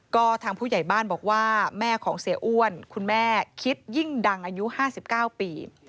ก็ทางผู้ใหญ่บ้านบอกว่าแม่ของเสียอ้วนคุณแม่คิดยิ่งดังอายุ๕๙ปี